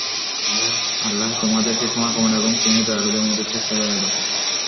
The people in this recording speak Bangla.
আল্লাহ তোমাদেরকে ক্ষমা করুন এবং তিনি দয়ালুদের মধ্যে শ্রেষ্ঠ দয়ালু।